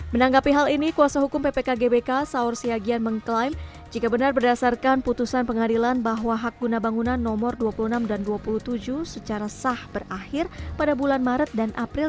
menanggapi hal ini kuasa hukum ppk gbk saur siagian mengklaim jika benar berdasarkan putusan pengadilan bahwa hak guna bangunan nomor dua puluh enam dan dua puluh tujuh secara sah berakhir pada bulan maret dan april dua ribu dua puluh